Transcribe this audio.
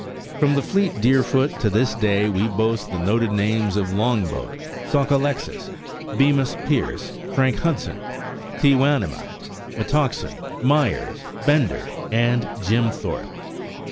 From the fleet Deerfoot to this day we boast the noted names of Longboat, Sockalexis, Bemus Pierce, Frank Hudson, Tewanima, Metoxen, Myers, Bender, and Jim Thorpe.